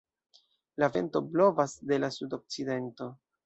La vento blovas de la sudokcidento.